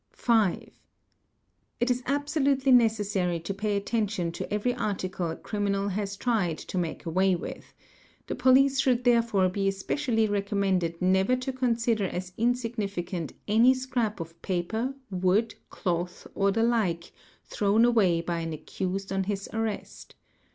gq _ 45. It is absolutely necessary to pay attention to every article a criminal has tried to make away with; the police should therefore be especially recommended never to consider as insignificant any scrap of paper, wood, cloth, or the like, thrown away by an accused on his arrest.